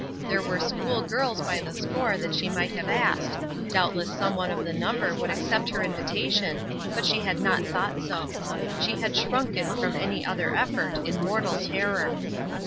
There were school girls by the score that she might have asked; doubtless some one of the number would accept her invitation, but she had not thought so. She had shrunken from any other effort, in mortal terror.